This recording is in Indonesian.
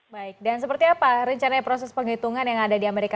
baik dan seperti apa rencana proses penghitungan yang ada di amerika